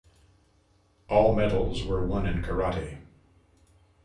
All medals were won in karate.